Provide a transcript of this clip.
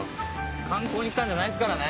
観光に来たんじゃないっすからね。